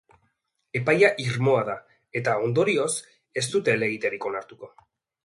Epaia irmoa da eta, ondorioz, ez dute helegiterik onartuko.